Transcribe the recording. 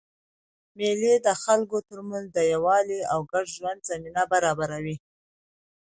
مېلې د خلکو ترمنځ د یووالي او ګډ ژوند زمینه برابروي.